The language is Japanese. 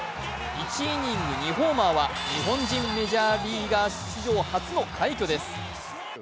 １イニング２ホーマーは日本人メジャーリーガー史上初の快挙です。